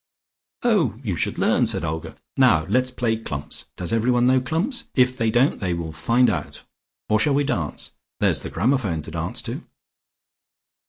"Oh, you should learn," said Olga. "Now let's play clumps. Does everyone know clumps? If they don't they will find out. Or shall we dance? There's the gramophone to dance to."